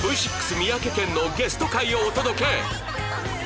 三宅健のゲスト回をお届け